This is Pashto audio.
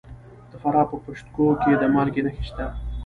د فراه په پشت کوه کې د مالګې نښې شته.